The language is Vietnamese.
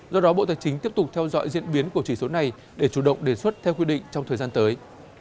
do đó bộ tài chính tiếp tục theo dõi diễn biến của chỉ số này để chủ động đề xuất theo quy định trong thời gian tới